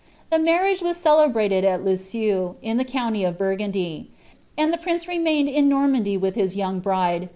The marriage was celebrated at Lisieus,' in the county o( Burgundy ) and the prince remained in Normandy with his young bride.